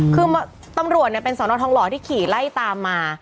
คือตำรวจเป็นสอนอทองหล่อที่ขี่ไล่ตามมา